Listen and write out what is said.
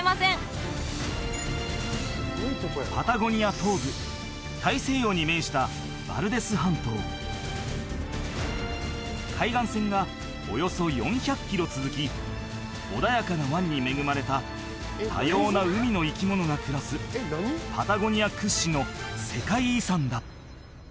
東部大西洋に面したバルデス半島海岸線がおよそ４００キロ続き穏やかな湾に恵まれた多様な海の生き物が暮らすパタゴニア屈指の世界遺産だ